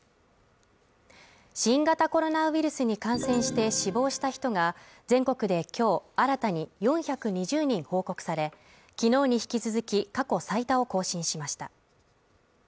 新型コロナウイルスに感染して死亡した人が全国で今日、新たに４２０人報告され昨日に引き続き過去最多を更新しました。